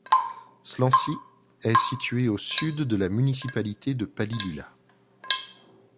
Slanci est situé au sud de la municipalité de Palilula.